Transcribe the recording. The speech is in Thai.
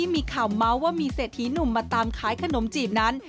มีข่าวเมาส์ว่ามีเศรษฐีหนุ่มมาตามขายขนมจีบนั้น